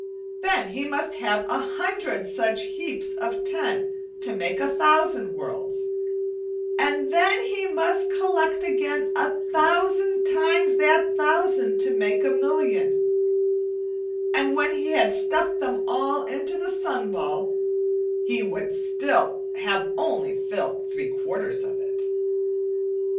Then he must have a hundred such heaps of ten to make a thousand world; and then he must collect again a thousand times that thousand to make a million, and when he had stuffed them all into the sun ball he would still have only filled three quarters of it!